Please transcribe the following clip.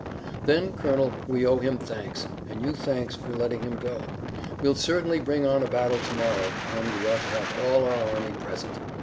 "Then, Colonel, we owe him thanks, and you thanks for letting him go. We'll certainly bring on a battle to morrow, and we ought to have all our army present.